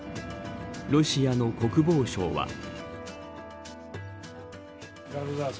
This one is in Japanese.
ロシアの国防省は。